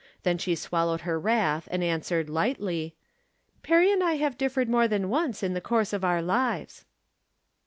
Then she swallowed her wrath, and answered, lightly :" Perry and I have differed more than once in the course of our lives."